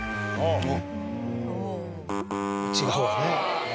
違うわね。